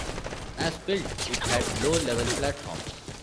As built, it had low-level platforms.